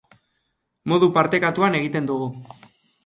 Modu partekatuan egiten dugu.